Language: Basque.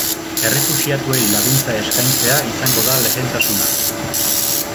Errefuxiatuei laguntza eskaintzea izango da lehentasuna.